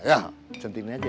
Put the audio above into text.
ya centini aja